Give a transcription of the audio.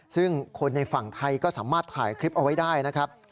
ซึ่งคนในฝั่งไทยก็สามารถถ่ายคลิปเอาไว้ได้นะครับ